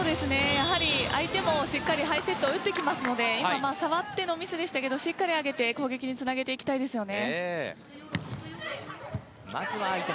相手もしっかりハイセットを打ってきますので今、触ってのミスでしたがしっかり上げて攻撃につなげていきたいですよね。